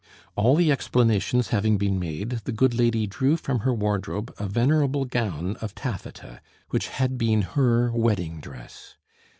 All the explanations having been made, the good lady drew from her wardrobe a venerable gown of taffeta, which had been her wedding dress.